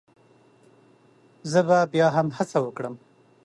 زه به بيا هم هڅه وکړم